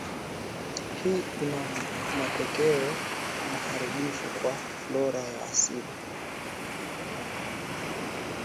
Hii ina matokeo maharibifu kwa flora ya asili